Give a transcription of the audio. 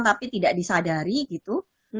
tapi tidak disadari gitu